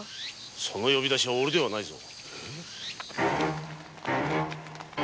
その呼び出しはオレではないぞ。